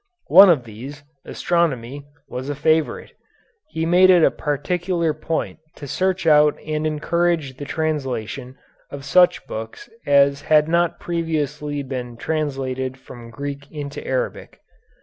One of these, astronomy, was a favorite. He made it a particular point to search out and encourage the translation of such books as had not previously been translated from Greek into Arabic.